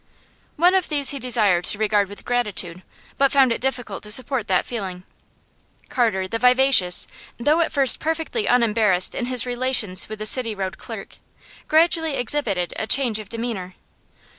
One of these he desired to regard with gratitude, but found it difficult to support that feeling. Carter, the vivacious, though at first perfectly unembarrassed in his relations with the City Road clerk, gradually exhibited a change of demeanour.